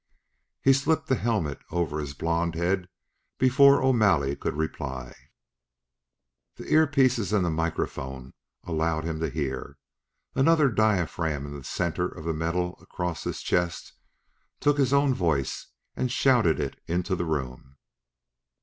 He slipped the helmet over his blond head before O'Malley could reply. The ear pieces and the microphone allowed him to hear. Another diaphragm in the center of the metal across his chest took his own voice and shouted it into the room.